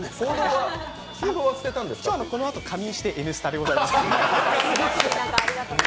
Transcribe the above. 今日、このあと仮眠して「Ｎスタ」でございます。